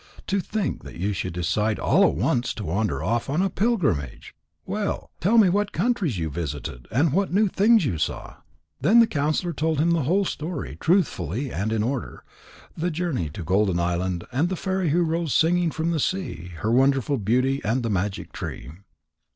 To think that you should decide all at once to wander off on a pilgrimage! Well, tell me what countries you visited, and what new things you saw." Then the counsellor told him the whole story truthfully and in order, the journey to Golden Island and the fairy who rose singing from the sea, her wonderful beauty and the magic tree.